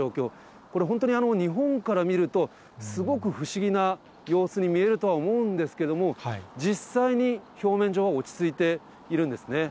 これ、本当に日本から見ると、すごく不思議な様子に見えるとは思うんですけども、実際に表面上は落ち着いているんですね。